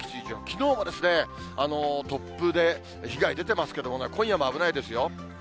きのうも突風で被害出てますけどもね、今夜も危ないですよ。